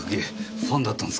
ファンだったんすか？